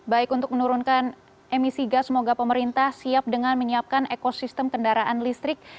baik untuk menurunkan emisi gas semoga pemerintah siap dengan menyiapkan ekosistem kendaraan listrik